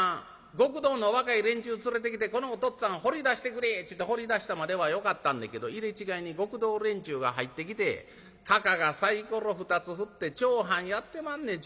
極道の若い連中連れてきてこのおとっつぁん放り出してくれっちゅうて放り出したまではよかったんだけど入れ違いに極道連中が入ってきてたかがさいころ２つ振って丁半やってまんねん。